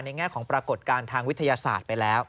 แง่ของปรากฏการณ์ทางวิทยาศาสตร์ไปแล้ว